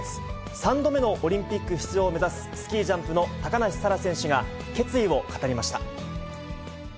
３度目のオリンピック出場を目指す、スキージャンプの高梨沙羅選手が、決意を語りました。